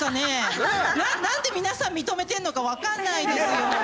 なんで皆さん認めてるのかわからないですよ。